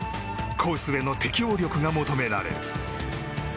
コースヘの適応力が求められる。